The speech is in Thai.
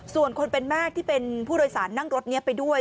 ส่วนคนเป็นแม่ที่เป็นผู้โดยสารนั่งรถนี้ไปด้วย